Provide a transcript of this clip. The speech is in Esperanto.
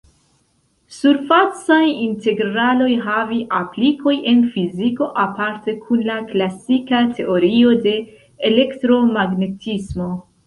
Surfacaj integraloj havi aplikoj en fiziko, aparte kun la klasika teorio de elektromagnetismo.